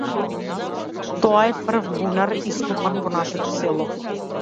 Тоа е прв бунар ископан во нашето село.